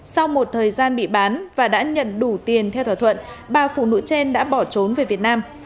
sau một thời gian bị bán và đã nhận đủ tiền theo thỏa thuận ba phụ nữ trên đã bỏ trốn về việt nam